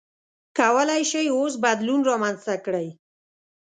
کولای شئ اوس بدلون رامنځته کړئ.